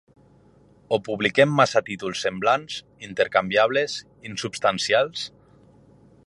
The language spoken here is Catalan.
O publiquem massa títols semblants, intercanviables, insubstancials?